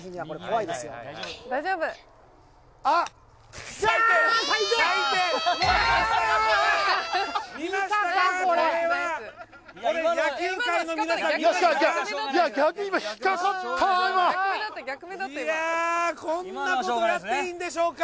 いやこんなことやっていいんでしょうか。